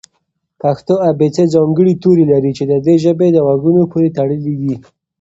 پښتو ابېڅې ځانګړي توري لري چې د دې ژبې په غږونو پورې تړلي دي.